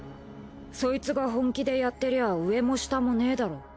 ソイツが本気でやってりゃ上も下もねえだろ。